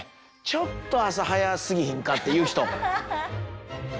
ちょっと朝早すぎひんかって言う人。